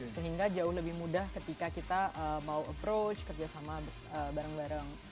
sehingga jauh lebih mudah ketika kita mau approach kerjasama bareng bareng